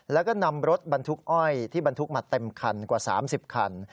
แล้วก็นำรถบรรทุกอ้อยที่บรรทุกมาเต็มคันกว่า๓๐คัน